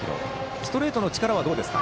ストレートの力はどうですか？